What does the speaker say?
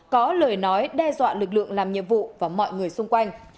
có lời nói đe dọa lực lượng làm nhiệm vụ và mọi người xung quanh